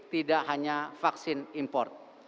tidak hanya vaksin import